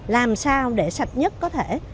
làm sao để sạch nhất có thể